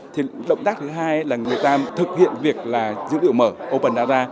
thì động tác thứ hai là người ta thực hiện việc là dữ liệu mở open data